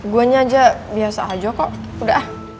guanya aja biasa aja kok udah